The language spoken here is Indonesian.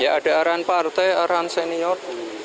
ya ada arahan partai arahan senior